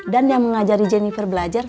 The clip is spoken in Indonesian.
dan yang mengajari jeniper belajar